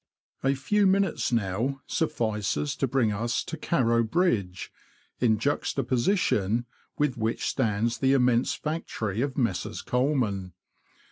A few minutes now suffices to bring us to Carrow Bridge, in juxtaposition with which stands the im mense factory of Messrs. Colman.